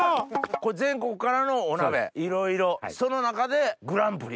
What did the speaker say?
全国からのお鍋いろいろその中でグランプリ。